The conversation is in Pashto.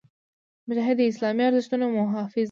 مجاهد د اسلامي ارزښتونو محافظ وي.